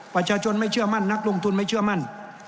ประชาชนไม่เชื่อมั่นนักลงทุนไม่เชื่อมั่น